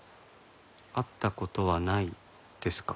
会った事はないですか？